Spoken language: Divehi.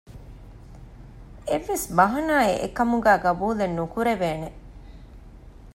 އެއްވެސް ބަހަނާއެއް އެކަމުގައި ޤަބޫލެއް ނުކުރެވޭނެ